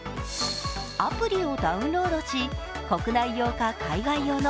アプリをダウンロードし国内用か海外用の